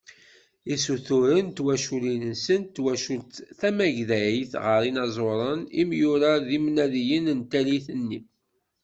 Isuturen n twaculin-nsen d twacult tamagdayt gar yinaẓuren, imyura d yimnadiyen n tallit-nni.